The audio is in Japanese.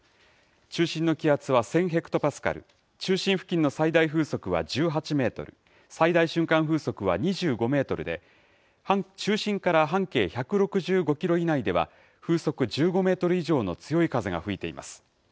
中心の気圧は１０００ヘクトパスカル、中心付近の最大風速は１８メートル、最大瞬間風速は２５メートルで、中心から半径１６５キロ以内では、風速１５メートル以上の強い風が吹いています。